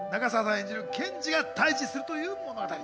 演じる検事が対峙するという物語。